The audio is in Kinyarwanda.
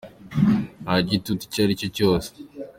Nta gitutu icyo ari cyo cyose.